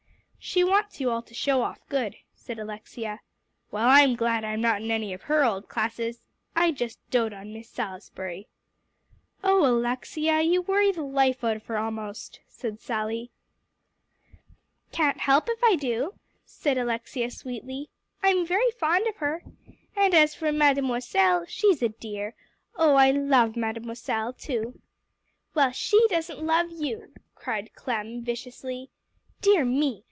"She wants you all to show off good," said Alexia. "Well, I'm glad enough I'm not in any of her old classes. I just dote on Miss Salisbury." "Oh Alexia, you worry the life out of her almost," said Sally. "Can't help it if I do," said Alexia sweetly. "I'm very fond of her. And as for Mademoiselle, she's a dear. Oh, I love Mademoiselle, too." "Well, she doesn't love you," cried Clem viciously. "Dear me!